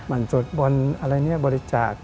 มันสวดบอลอะไรเนี่ยบริจาค